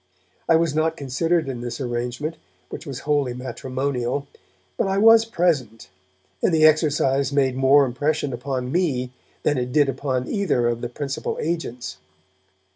I was not considered in this arrangement, which was wholly matrimonial, but I was present, and the exercise made more impression upon me than it did upon either of the principal agents.